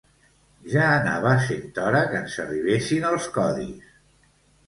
Ja anava sent hora que ens arribessin els codis!